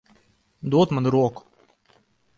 Dod man roku.